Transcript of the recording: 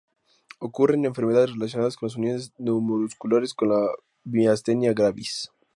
Ocurre en enfermedades relacionadas a las uniones neuromusculares como la miastenia gravis.